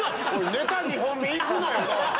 ネタ２本目行くなよ！